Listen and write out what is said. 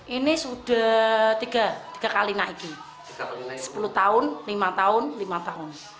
ini sudah tiga kali naiki sepuluh tahun lima tahun lima tahun